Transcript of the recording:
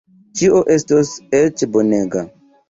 Ĉio estos eĉ bonega.